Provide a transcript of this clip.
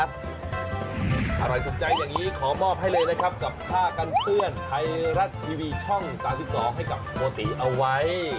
อร่อยถูกใจอย่างนี้ขอมอบให้เลยนะครับกับผ้ากันเปื้อนไทยรัฐทีวีช่อง๓๒ให้กับโมติเอาไว้